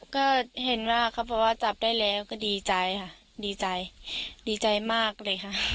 ก็เห็นว่าเขาบอกว่าจับได้แล้วก็ดีใจค่ะดีใจดีใจมากเลยค่ะ